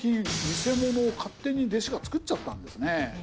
偽物を勝手に弟子がつくっちゃったんです。